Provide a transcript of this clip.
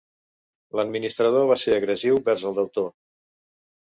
L'administrador va ser agressiu vers el deutor.